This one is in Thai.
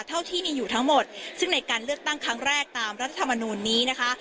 เท่าที่มีอยู่ทั้งหมดซึ่งในการเลือกตั้งครั้งแรกตามรัฐธรรมนูลนี้นะคะ